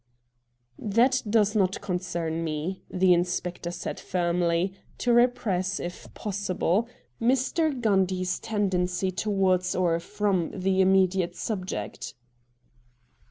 ' That does not concern me,' the inspector said firmly, to repress, if possible, Mr. Gundy's 122 RED DIAMONDS tendency toward or from the immediate subject.